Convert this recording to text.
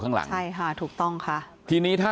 นางมอนก็บอกว่า